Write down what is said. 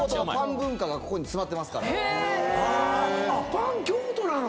パン京都なの？